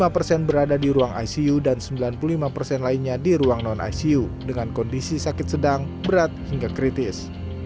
lima persen berada di ruang icu dan sembilan puluh lima persen lainnya di ruang non icu dengan kondisi sakit sedang berat hingga kritis